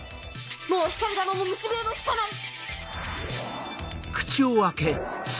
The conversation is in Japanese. もう光弾も蟲笛も効かない。